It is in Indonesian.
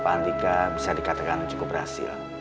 pak andika bisa dikatakan cukup berhasil